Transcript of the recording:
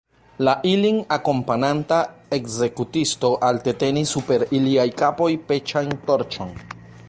La ilin akompananta ekzekutisto alte tenis super iliaj kapoj peĉan torĉon.